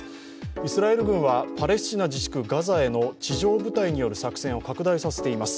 イスラエル軍はパレスチナ自治区ガザへの地上部隊による作戦を拡大させています。